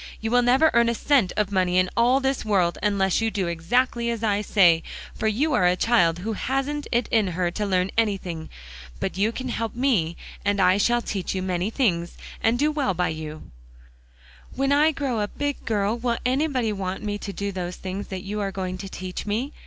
"You will never earn a cent of money in all this world, unless you do exactly as I say; for you are a child who hasn't it in her to learn anything. But you can help me, and I shall teach you many things, and do well by you." "When I grow a big girl, will anybody want me to do those things that you are going to teach me?"